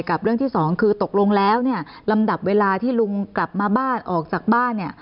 กับเรื่องที่สองคือตกลงแล้วเนี่ยลำดับเวลาที่ลุงกลับมาบ้านออกจากบ้านเนี่ย